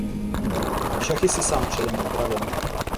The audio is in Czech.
Šachy si sám předem upravil.